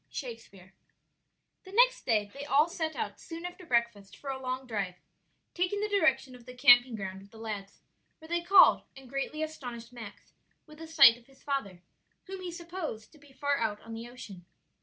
Shakespeare. The next day they all set out soon after breakfast for a long drive, taking the direction of the camping ground of the lads, where they called and greatly astonished Max with a sight of his father, whom he supposed to be far out on the ocean.